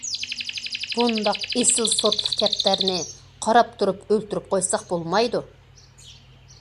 بۇنداق ئېسىل سورتلۇق كەپتەرنى قاراپ تۇرۇپ ئۆلتۈرۈپ قويساق بولمايدۇ.